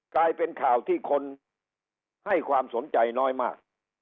กลายเป็นข่าวที่คนให้ความสนใจน้อยมาก